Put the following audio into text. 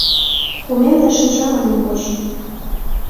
Кумем да шинчам ынем поч.